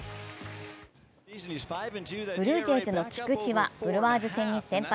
ブルージェイズの菊池はブルワーズ戦に先発。